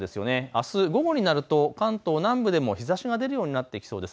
あす午後になると関東南部でも日ざしが出るようになってきそうです。